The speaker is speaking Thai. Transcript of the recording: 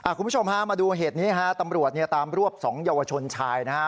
คุณผู้ชมฮะมาดูเหตุนี้ฮะตำรวจเนี่ยตามรวบ๒เยาวชนชายนะฮะ